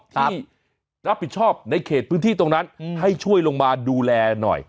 ที่รับผิดชอบในเขตพื้นที่ตรงนั้นให้ช่วยลงมาดูแลหน่อย